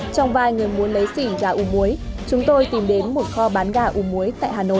trong vài người muốn lấy xỉ gà uống muối chúng tôi tìm đến một kho bán gà uống muối tại hà nội